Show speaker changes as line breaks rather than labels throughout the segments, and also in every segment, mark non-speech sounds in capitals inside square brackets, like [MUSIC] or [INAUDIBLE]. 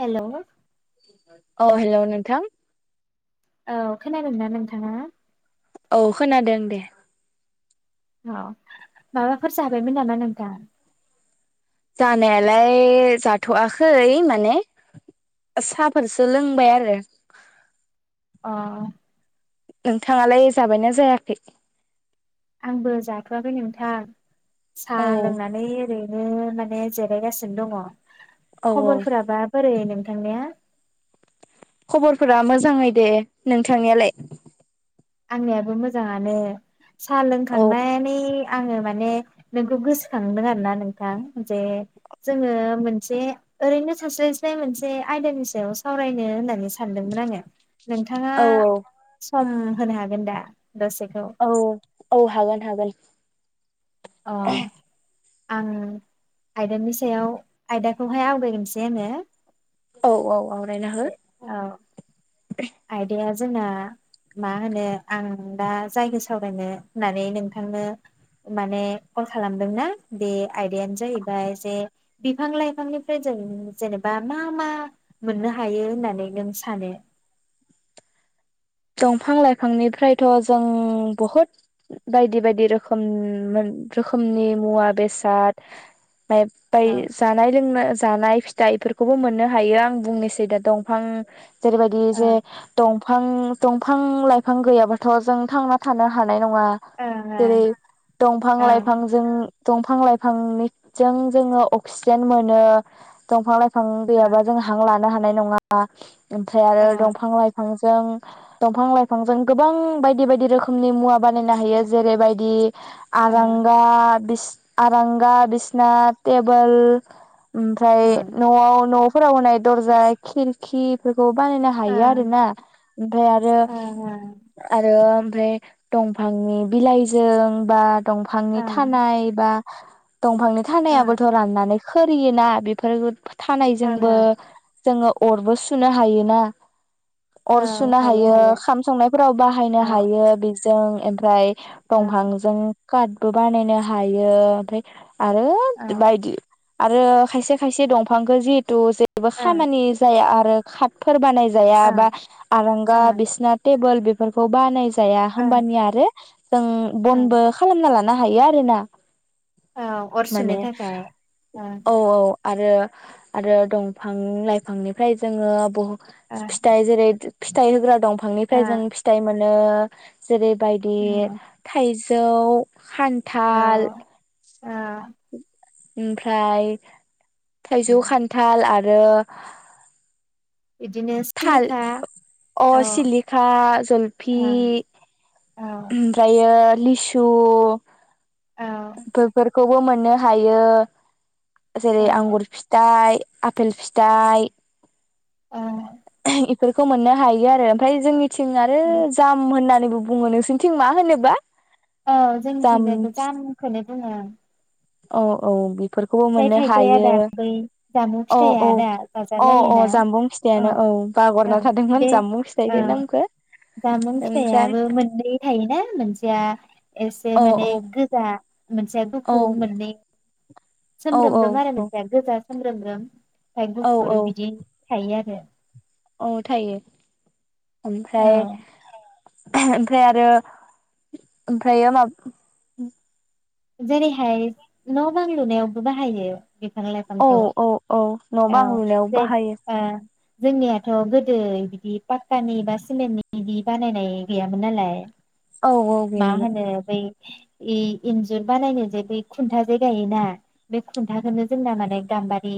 Hello
औ hello नोंथां
औ खोनादोंना नोंथाङा?
औ खोनादों दे।
अ माबाफोर जाबायमोन नामा नोंथां?
जानायालाय जाथ'आखै माने साहाफोरसो लोंबाय आरो।
अह।
नोंथाङालाय जाबायना जायाखै?
आंबो जाथ'वाखै नोंथां।
औ
साहा लोंनानै ओरैनो माने जिरायगासिनो दङ।
औ
खबरफोरा बा बोरै नों थांनिया?
खबरफोरा मोजाङै दे नोंथांनियालाय?
आंनियाबो मोजाङानो। साहा
औ
लोंखांनानै आङो माने नोंखौ गोसोखांदों आरोना नोंथां जे जोङो मोनसे ओरैनो थास्लायस्लाय मोनसे आयदानि सायाव सावरायनो होननानै सानदोंमोन आङो। नोंथाङा
औ
सम होनो हागोन दा? दसेखौ
औ औ हागोन हागोन।
ओ आं आयदानि सायाव आयदाखौहाय आवगायग्रोनोसै आङो।
औ औ आवरायना हो।
आइदाया जोंना मा होनो आं दा जायखौ सावरायनो होननानै नोंथांनो माने कल खालामदोंना बे आयदायानो जाहैबाय जे बिफां लाइफांनिफ्राय जों जेनेबा मा मा मोननो हायो होननानै नों सानो?
दंफां लाइफांनिफ्रायथ' जों बहुद बायदि बायदि रोखोम मोन रोखोमनि मुवा बेसाद बाय-बाय
औ
जानाय लोंनाय जानाय जा इफोरखौबो मोननो हायो आं बुंनोसै दा दंफां जेरैबायदि
ओ
जे दं फां दंफां-लाइफां गैयाबाथ' जों थांना थानो हा नाय नङा
ओ
जेरै
ओ
दंफां-लाइफांजों दंफां-लाइफांनिजों जोङो अक्सिजेन मोनो दंफां-लाइ फां गैयाबा जों हां ला नो हानाय नङा। ओमफ्राय आरो
ओ
दंफां-लाइफांजों जों दंफां-लाइफांजों गोबां बायदि बायदि रोखोमनि मुवा बानायनो हायो जेरैबायदि
ओ
आरागा बिस आरांगा, बिसना, टेबोल ओमफ्राय
ओं
न'आव न' फोराव होनाय दरजा, खिरखि खौबो बानायनो हायो आरो
ओं
ना। ओमफ्राय आरो
ओं
आरो ओमफ्राय दंफांनि बिलाइजों बा दंफांनि
ओं
थानाय बा दंफांनि
ओं
थानायाबोथ' राननानै खोरियोना बेफोर
ओं
थानायजोंबो
ओं
जोङो अरबो सुनो हायोना सुनो हायो खाम संनायफोराव बाहायनो
औ
हायो बेजों ओमफ्राय
औ
दंफांजों कार्डबो बानायनो हायो ओमफ्राय आरो
औ
बायदि आरो खायसे खायसे दंफांखौ जिहेतु बेबो
ओं
खामानि जाया आरो। आरो कापफोर बानाय जाया
ओं
बा। आरांगा
ओं
बिसनाथ टेबोल बेफोरखौ बानाय जाया
ओं
हबानिया आरो जों
ओं
बनबो खालामना ला हायो आरोना।
औ अर सुनो
माने
थाखाय ओ।
औ आरो आरो दंफां लाइफांनिफ्राय जोङो बहुत
ओं
फिथाइ जेरै फिथाइ होग्रा दंफां बिफांनिफ्राय
ओं
जों फिथाइ मोन ओ। जेरैबायदि
उम
थाइज जौ।
औ
खान्थाल।
औ
ओमफ्राय थाइजौ खान्थाल आरो। ओ
बिदिनो
थाल
सिलिखा
अ
औ
सिलिखा जलफि
ओं औ औ
ओमफ्रायो लिसु
औ
खौबो मोननो हायो जेरै आंगुर फिथाइ आपेल फिथाइ
औ
[UNINTELLIGIBLE] खौ मोननो हायो आरो ओमफ्राय जोंनि थिं आरो जाम होननानै बुङो नोंसोरथिं मा होनोबा
औ
जाम
जोंथिजाय जामखौनो बुङो
औ औ बि
जाय थाइग्राया दा बै जामुं
औ
फिथाइया
औ
दा
अ अ
जाजालायोना
जामबुं
औ
फिथाइयानो
औ
बावगारना थादोंमोन
बे
जामबुं
औ
फिथाइखौ नामखौ
जामुं
ओमफ्राय
फिथायाइाबो मोननै थायोना मोनसेया एसे
औ
माने
औ
गोजा मोनसे
औ
दुखु मोननै
औ औ
सोमब्रोमब आरो मोनसेआ
औ
गोजा सोमब्रोमब्रोम ओमफाय
औ
गुफुर
औ
बिदि थायो आरो
औ थायो
औ
ओमफ्राय ओमफ्राय आरो ओमफ्रायो माब
जेरैहाय न' बां लुनायावबो बाहायो बिफां
औ
लाइफांखौ
औ औ न'
औ
बां आं लुनायाव
जे
बाहायो
ओ जोंनियाथ' गोदो बिदि पाक्कानि बा सिमेन्टनि बिदि बानायनाय गैयामोन नालाय
औ औ
मा
गैयामोन
होनो बै ए एन्जु जुर बानायनो जे बै खुन्था जे गायोना बे खुन्थाखौनो जोंना माने गाम्बारि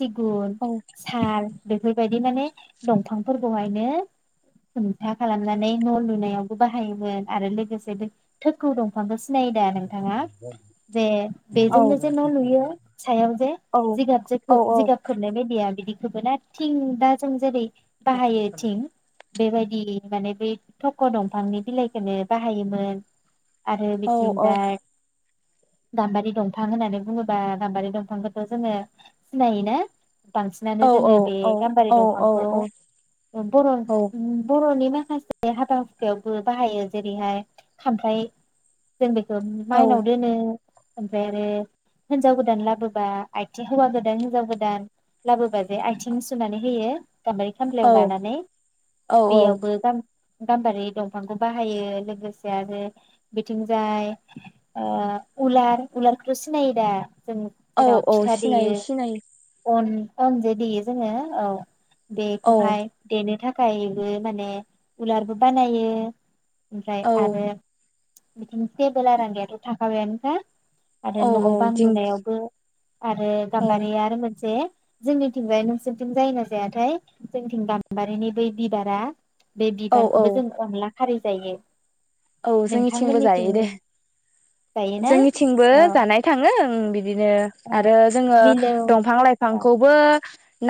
सिगुन
औ
साल बे फोरबायदि माने दंफांफोरखौहायनो हुंथा खालामनानै न' लुनायावबो बाहायोमोन आरो लोगोसे बे थखौ दंफांखौ सिन नायो दा नोंथाङा जे
औ
बेजोंनो जे न' लुयो सायाव जे
औ
जिगाब
औ
जिगाब खोबनाय बायदिया बिदि खोबोना थिं दा जों जेरै बाहायो थिं बेबायदि माने बेै थख' दंफांनि बिलाइखौनो बाहायोमोन आरो
औ औ
थिंजाय गाम्बारि दंफां होननानै बुङोबा गाम्बारि दंफांखौथ' जोङो सिनायोना?
औ
बांसिनानो जोङो बे
औ
गाम्बारि
औ औ
दंफांखौ
औ
बर'
औ
बर'नि मा माखासे हाबा हुखायावबो बाहायो जेरैहाय खामफ्राइ जों बेखौ
औ
माइनाव दोनो ओमफ्राय आरो हिनजाव गोदान लाबोबा आथिं हौवा गोदान हिनजाव गोदान लाबोबा जे आथिं सुनानै होयो गामबारि खामफ्लायाव
औ
लानानै
औ
बेयावबो गाम गाम्बारि दंफांखौ बाहायो लोगोसे आरो बिथिं जाय ओ उलार उलारखौथ' सिनायो दा? जों
औ
जेराव
औ
फिथा देयो
सिनायो सिनायो
अन अनजे देयो जोङो औ ।
औ
बेखौहाय देनो थाख गायबो माने उलारबो बानायो ओमफ्राय
औ
आरो [UNINTELLIGIBLE] हेबोला रागायाथ' थाखागोन हो? आरो
औ
न'
औ
बां
दिंखि
लुनायावबो आरो
औ
गाम्बारिया आरो मोनसे जोंनिथिंजाय नोंसोरनिथिं जाय ना जायाथाय जोंनिथिं गाम्बारिनि बै बिबारा बे
औ औ
बिबारखौबो जों अनला खारि जायो
औ जोंनि
थां मोनिथिं
जोंनिथिंबो जानाय थाङो उं। बिदिनो
औ
आरो जोङो
मिलौ
दंफां
ओ
लाइफांखौबो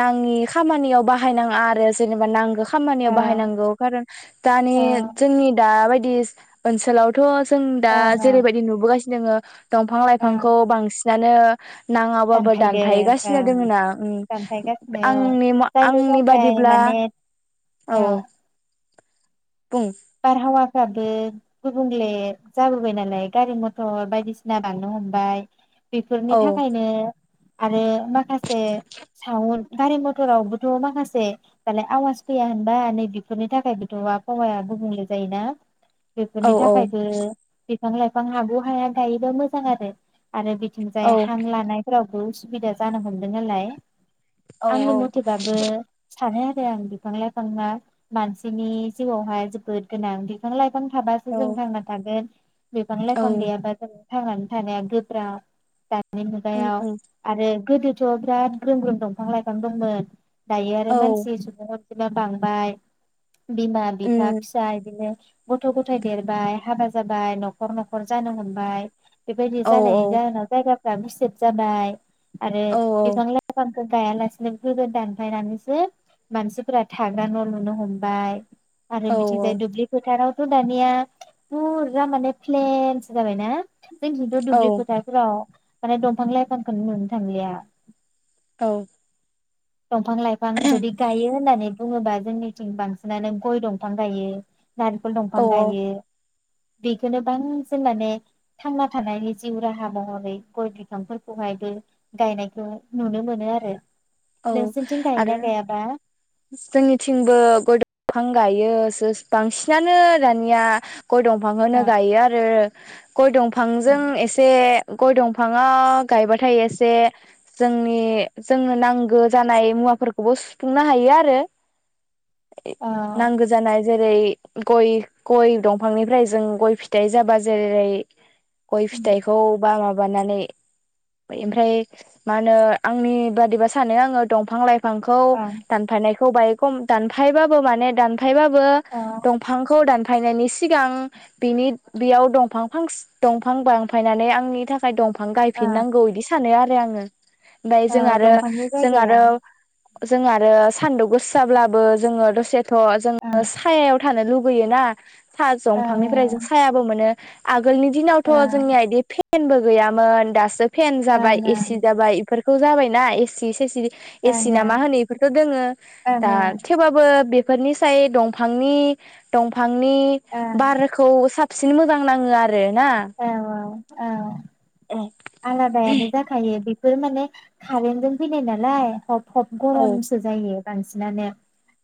नाङि खामानियाव बाहायनाङा आरो जेनेबा नांगो खामानियाव
ओं
बाहायनांगौ खारन दानि
ओं
जोंनि दा बाय बिस ओनसोलावथ' जों दा
ओं ओं
जेरैबाय बासिनोङो दंफां
ओं
लाइफांखौ बांसिन दानो नाङाबाबो
दानफायदों
दानफाहैगासिनो
ओं
दोङ ना उम
दानफायगासिनो औ
आंनि
जायनि
आंनि
थाखाय
बादिब्ला
माने
औ बुं
बारहावा फ्राबो गुबुंले जाबोबाय नालाय गारि मथर बायदिसिना बांनो हमबाय। बेफोरनि
औ
थाखायनो आरो माखासे सावन गारि मथरावबोथ माखासे दालाय आवाज फैया होनबा नैबेफोरनि थाखायबोथ आबहावाया गुबुंले जायोना।
औ
बेफोरनि
औ
थाखायबो बिफां लाइफां हाबौ हाया गायोबा मोजां आरो। आरो बिथिंजाय
औ
हां लानायफोराव उसुबिदा जानो हमदों नालाय।
औ
आंनि मथेबाबो सानो आरो आं बिफां लाइफाङा मानसिनि जिउआवहाय जो बोद गोनां बिफां लाइफ फां
औ
थाबासो जों थांना थागोन। बिफां
औ
लायफां गैयाबा जों थांनानै थानाया गोब्राब दानि नि मुगायाव आरो गोदो थ' बिराद ग्रोम ग्रोम दंफां लाइफां दंमोन। दायो आरो मानसि [UNINTELLIGIBLE] बांबाय बिमा बिफा
उम
फिसा बिदिनो गथ' गथाय देरबाय हाबा जाबाय न'खर न'खर जानो हमबाय। बेबायदि
औ
जानाय
औ
जाहोना जायगा फोरा गुसेब जाबाय। आरो
औ
बिफां लाइफां गायालासिनो बेफोरखौ दानफायनानैसो मानसिफोरा थाग्रा न' लुनो हमबाय। आरोे बि थिंजाय
औ
दुब्लि फोथाराव थ' दानिया फुरा माने प्लेनसो जाबायना? जोंथिंथ' दुब्लि
औ
फोथारफोराव माने दंफां लाइफांखौनो मोननो थांलिया।
औ
दंफां लाइफां जुदि गायो होननानै बुङोबा जोंनिथिं बांसिनानो गय दं फां गायो । नारिखल
औ
दंफां गायो । बेखौनो बांसिन माने थांना थानायनि जिउ राहा महरै गय बिफांफोरखौहायबो गायनायखौ नुनो मोनो आरो ।
औ आरो जोंनिथिंबो गय दंफां गायो । बांसिनानो दानिया गय दंफां
औ
खोनो गायो आरो । गय
औ
दंफांजों एसे गय दंफाङा गायबाथाय एसे जोंनि जोंनो नां गो जानाय मुवाफोरखौबो सुफुंनो हायो आरो । नांगौ जानाय जेरै गय गय दंफांनिफ्राय जों गय फिथाइ जाबा जेरै गय फिथाइखौ बा माबा माबानानै ओमफ्राय मा होनो आंनि बादिब्ला सानो आङो दंफां लाइफां खौ दानफानायखौ बांयाइ खम दानफायबाबो माने दान फायबाबो
औ
दंफांखौ दान फायनायनि सिगां बिनि बेयाव दंफां दंफां बां फायनानै आंनि थाखाय दं फां गायफिनांगौ बिदि सानो आरो । आङो ओमफफ्राय
औ
जों आरो
दंफांनि
जों आरो
जायगायाव
जों आरो सान्दुं गोसाब्लाबो जोङो दसे थ
ओं
जोङो सायाव थानो लुगैयो ना सा
ओं
दंफांनिफ्राय जों सायाबो मोनो । आगोलनि दिनावथ'
ओं
जोंनि इदि फेन फेनबो गैयामोन दासो फेन जाबाय
ओं
एसि
ओं
जाबाय इफोर जाबायना एसि एसि
ओं
एसि नामा होनैफोरथ' दोङो
ओं
दा
ओं
थेवबाबो बे बेफोरनि साय दंफांनि दंफां नि बारखौ साब सिन मोजां नाङो आरो रो ना
औ
औ
आलादायानो जाखायो बे फोर माने खारेन गुम फिनाय नालाय सब गरमसो जायो बांसिनानो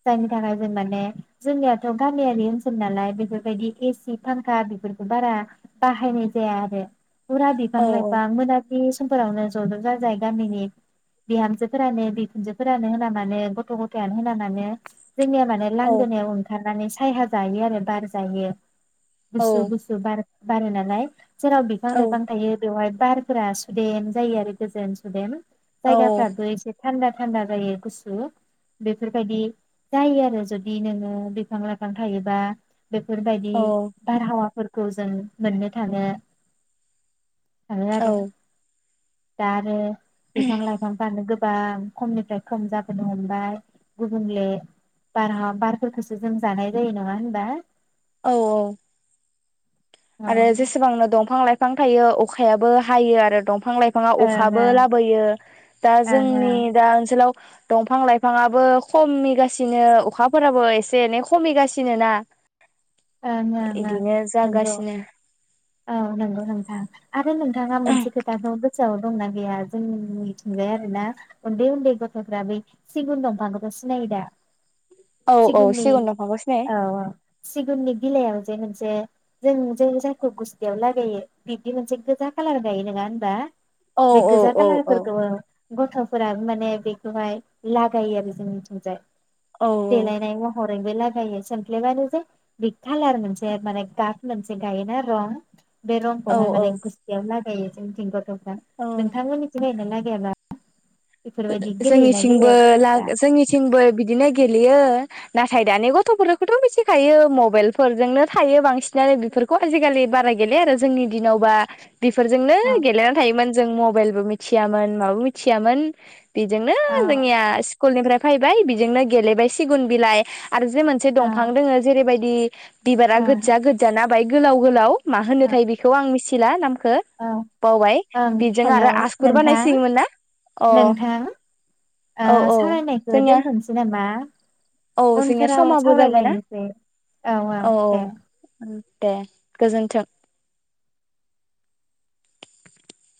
जायनि थाखाय जों माने जोंनियाथ' गामियारि ओनसोल नालाय बेफोरबायदि एसि फांखा बेफोरखौ बारा बाहायनाय जाया आरो फुरा बिफां
औ
लाइफां मोना बे समफोरावनो ज' ज' जाजाय गामिनि बिहामजोफोरानो बिखुनजोफोरानो होना मानो गथ' गथायानो होना मानो जोंनिया माने
औ
लांगोनायाव ओंखार नानै सायहा जायो आरो बार जायो गुसु
औ
गुसु बार बारोना जेराव बिफां
औ
लाइफां थायो बेवहाय बारफोरा सुदेम जायो आरो गोजोन सुदेम जायगाफ्राथ एसे थान्दा थान्दा जायो गुसु बेफोरबायदि जायो आरो जुदि नोङो बिफां लाइफां थायोबा बेफोरबायदि
औ
बारहावाफोर औ [UNINTELLIGIBLE] जों मोननो थाङो थाङो आरो
औ
दारो बिफां लाइफां फानो बां खमनिफ्राय खम जाबोनो हमबाय गुबुंले बारहा बारफोरखौसो जों जानाय जायो नङा होनबा
औ औ
औ
आरो जेसेबांनो दंफां लाइफ फां थायो अखायाबो हायो आरो दं फां लाइफाङा
ओं
अखाबो
ओं
लाबोयो दा
ओं
जोंनि
ओं
दा ओनसोलाव दंफां लाइफाङाबो खमिगासिनो अखाफोराबो एसे एनै खमिगासिनो ना
[INAUDIBLE] आरो
इदिनो जागासिनो
नोंथाङा मोनसे खोथाखौ गोसोआव दंना गैया जों मिथिंजाय आरोना उन्दै उन्दै गथ'फ्रा बै सिगुन दंफांखौथ सिनायो दा
औ औ
सिगुननि
सिगुन दंफाखौ सिनायो
उननि गिलाइायाव जे मोनसे जों ज जायखौ गुस्थियाव लागायो बिब्दि मोनसे गोजा कालार गायो नंङा होनबा
औ
बे
औ
गोजा
औ औ
कालारफोरखौ गथफोरा माने बेखौहाय लागायो आरो जोंनिथिंजाय
औ
देलायनाय महर लागायो सेम फ फ्लेबानो जे बि कालार मोनसे माने गाब मोनसे गायोना रं बे
औ
रंखौहाय माने
औ
गुस्थियाव [UNINTELLIGIBLE]
औ
नोंथां मोननिथिं [UNINTELLIGIBLE]
जोंनिथिंबो लाग जोंनिथिंबो बिदिनो गेलेयो नाथाय दानि गथफोरखौथ मिसिखायो मबाइल फोरजोंनो थायो बांसिनानो बेफोरखौ आजिखालि बारा गैलै आरो जोंनि दिनावबा बेफोरजोंनो
औ
गेलेनानै थायोमोन जों मबाइलबो मि मिथियामोन माबो मिथियामोन । बेजोंनो
औ
जोंनिया स्कुलनिफ्राय फैबाय बिजोंनो गेलेबाय सिगुन बिलाइ आरो जे मोनसे
औ
दंफां दोंङो जेरैबायदि बे बिबारा
औ
गोजा गोजाना ओमफ्राय गोलाव गोलाव मा
औ
होनोथाय बेखौ आं मिथि ला नाम खो
औ
बावबाय
ओं
बेजों
हेलौ
आरो आसगुर
नोंथां
बानायसोयोमोन ना? अ
नोंथां
औ औ
सालायनायखौ
जोंनिया
दोनथनोसै नामा?
औ
मा
जोंनिया
उनफोराव
समाबो जाबायना
सावरायलायनोसै औ औ दे ।
दे गोजोन्थों । [INAUDIBLE]